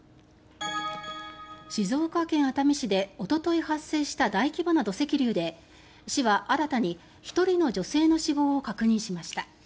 静岡県熱海市でおととい発生した大規模な土石流で市は新たに１人の女性の死亡を確認しました。